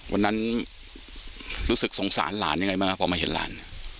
วันนั้นรู้สึกสงสารหลานยังไงบ้างครับพอมาเห็นหลาน